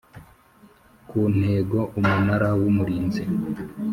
Ku ntego umunara w umurinzi